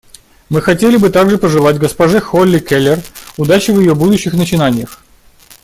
Мы хотели бы также пожелать госпоже Холли Келер удачи в ее будущих начинаниях.